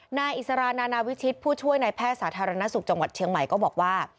นายอิสรานานาวิชิตผู้ช่วยนายแพทย์สาธารณสุขจังหวัดเชียงใหม่ก็บอกว่า